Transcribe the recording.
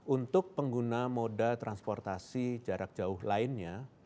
untuk pengguna moda transportasi jarak jauh lainnya